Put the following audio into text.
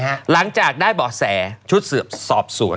หลังจากได้แบบบอเสริฟ